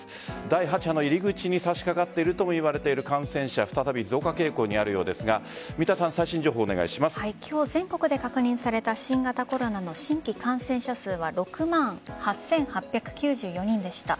第８波の入り口に差し掛かっているともいわれている感染者、再び増加傾向にあるようですが今日、全国で確認された新型コロナの新規感染者数は６万８８９４人でした。